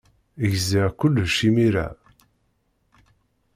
Gziɣ kullec imir-a.